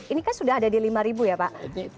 ini kan sudah ada di lima ya pak